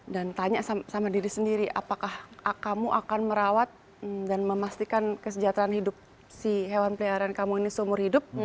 dan tanya sama diri sendiri apakah kamu akan merawat dan memastikan kesejahteraan hidup si hewan peliharaan kamu ini seumur hidup